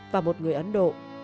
và một người ấn độ